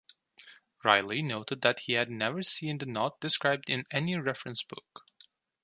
Riley noted that he had never seen the knot described in any reference book.